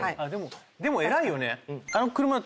でも偉いよね。